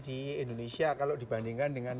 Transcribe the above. di indonesia kalau dibandingkan dengan